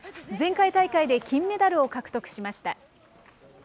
前回大会で金メダルを獲得しました。